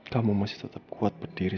kamu masih tetap kuat berdiri